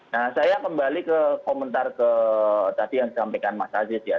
nah saya kembali ke komentar ke tadi yang disampaikan mas aziz ya